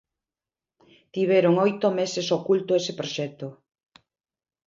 Tiveron oito meses oculto ese proxecto.